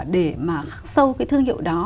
để mà khắc sâu cái thương hiệu đó